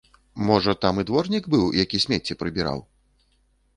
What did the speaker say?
Можа, там і дворнік быў, які смецце прыбіраў?